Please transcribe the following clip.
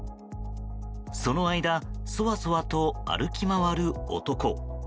その間、そわそわと歩き回る男。